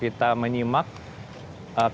pada umurun zain kost